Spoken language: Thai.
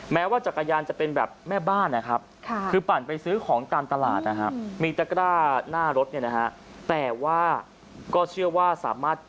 แม้ว่าจักรยานจะเป็นแบบแม่บ้านนะครับคือปั่นไปซื้อของตามตลาดนะครับ